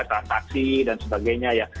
transaksi dan sebagainya ya